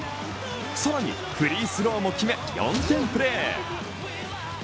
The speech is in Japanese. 更に、フリースローも決め、４点プレー。